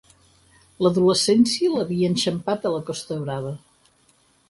L'adolescència l'havia enxampat a la Costa Brava.